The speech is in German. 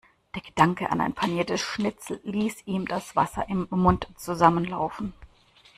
Der Gedanke an ein paniertes Schnitzel ließ ihm das Wasser im Mund zusammenlaufen.